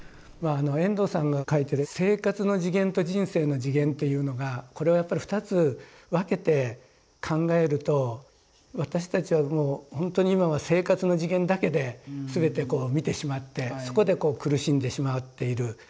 遠藤さんが書いてる「生活の次元」と「人生の次元」っていうのがこれはやっぱり二つ分けて考えると私たちはもうほんとに今は生活の次元だけで全て見てしまってそこでこう苦しんでしまっている。